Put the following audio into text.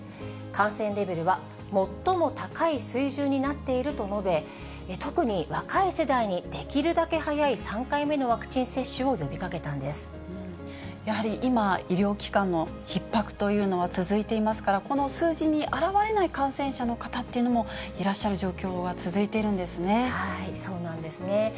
感染レベルは最も高い水準になっていると述べ、特に若い世代にできるだけ早い３回目のワクチン接種を呼びかけたやはり今、医療機関のひっ迫というのは続いていますから、この数字に表れない感染者の方っていうのも、いらっしゃる状況はそうなんですね。